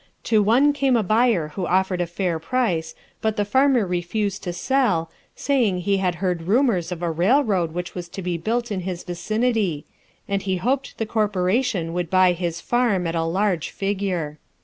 To One came a Buyer who offered a Fair Price, but the Farmer refused to Sell, saying he had heard rumors of a Railroad which was to be Built in his Vicinity, and he hoped The Corporation would buy his Farm at a Large Figure.